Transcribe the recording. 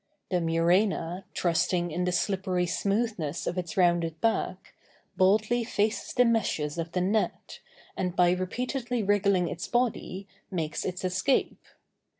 The muræna, trusting in the slippery smoothness of its rounded back, boldly faces the meshes of the net, and by repeatedly wriggling its body, makes its escape.